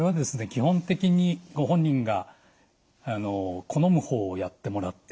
基本的にご本人が好む方をやってもらって構いません。